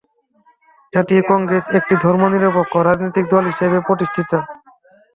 জাতীয় কংগ্রেস একটি ধর্মনিরপেক্ষ রাজনৈতিক দল হিসেবে প্রতিষ্ঠিত।